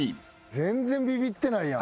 全然ビビってないやん。